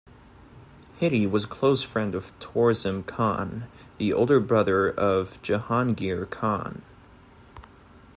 Hiddy was a close friend of Torsam Khan, the older brother of Jahangir Khan.